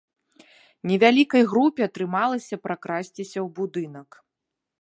Невялікай групе атрымалася пракрасціся ў будынак.